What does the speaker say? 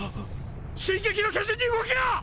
進撃の巨人に動きが！！